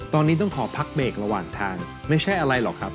ตอนนี้ต้องขอพักเบรกระหว่างทางไม่ใช่อะไรหรอกครับ